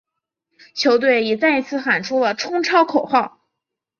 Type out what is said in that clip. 球队也再一次喊出了冲超口号。